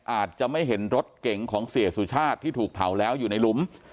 อาจจะไม่เห็นรถเก๋งของเสียสุชาติที่ถูกเผาแล้วอยู่ในหลุม